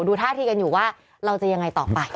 ดูท่าทีกันอยู่ว่าเราจะยังไงต่อไป